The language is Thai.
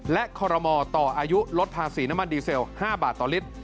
และคอรมอต่ออายุลดภาษีน้ำมันดีเซล๕บาทต่อลิตร